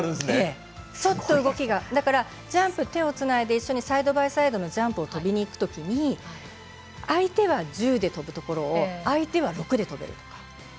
ちょっと動きがジャンプ手をつないでサイドバイサイドのジャンプを跳びにいくときに相手は１０でとぶところを相手は６でとぶとか。